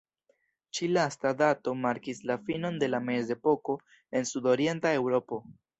Ĉi-lasta dato markis la finon de la Mezepoko en Sudorienta Eŭropo.